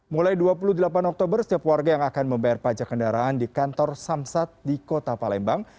mulai dua puluh delapan oktober setiap warga yang akan membayar pajak kendaraan di kantor samsat di kota palembang